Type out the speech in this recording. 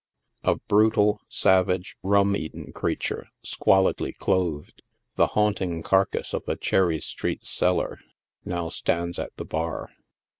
A brutal, sivage, rum eaten creature, squalidly clothed, the haunting carcase of a Cherry street cellar, now stands at the bar.